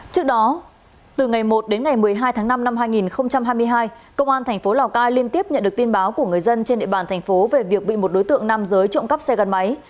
trước đó từ ngày một đến ngày một mươi hai tháng năm năm hai nghìn hai mươi hai công an thành phố lào cai liên tiếp nhận được tin báo của người dân trên địa bàn thành phố về việc bị một đối tượng nam giới trộm cắp xe gắn máy